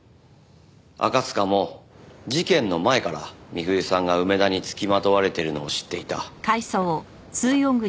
赤塚も事件の前から美冬さんが梅田に付きまとわれているのを知っていた。